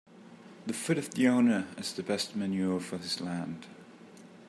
The foot of the owner is the best manure for his land.